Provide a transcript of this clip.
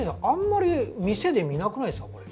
あんまり店で見なくないすか？